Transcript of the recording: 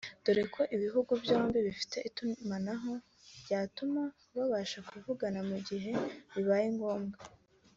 dore ko ibihugu byombi bifite itumanaho ryatuma babasha kuvugana mu gihe bibaye ngombwa